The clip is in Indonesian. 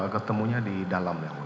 ketemunya di dalam ya